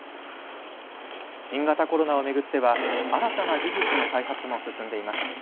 新型コロナを巡っては新たな技術の開発も進んでいます。